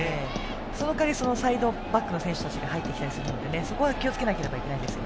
その代わりサイドバックの選手が入ってきたりするので、そこは気をつけなければいけないです。